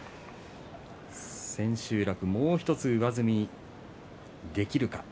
千秋楽、もう１つ上積みできるか。